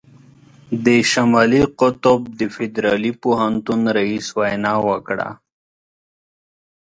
د شمالي قطب د فدرالي پوهنتون رييس وینا وکړه.